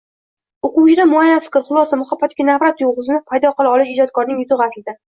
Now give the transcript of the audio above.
Oʻquvchida muayyan fikr, xulosa, muhabbat yoki nafrat tuygʻusini paydo qila olish ijodkorning yutugʻi, aslida